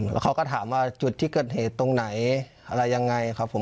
แล้วเขาก็ถามว่าจุดที่เกิดเหตุตรงไหนอะไรยังไงครับผม